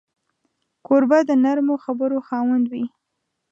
کوربه د نرمو خبرو خاوند وي.